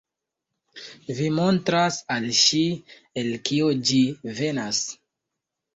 Vi montras al ŝi, el kio ĝi venas.